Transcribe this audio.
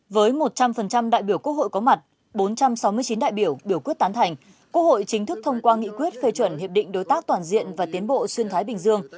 với một trăm linh đại biểu quốc hội có mặt bốn trăm sáu mươi chín đại biểu biểu quyết tán thành quốc hội chính thức thông qua nghị quyết phê chuẩn hiệp định đối tác toàn diện và tiến bộ xuyên thái bình dương